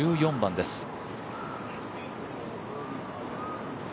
１４番です。